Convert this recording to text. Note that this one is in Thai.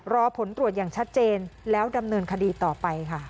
รอผลตรวจอย่างชัดเจนแล้วดำเนินคดีต่อไปค่ะ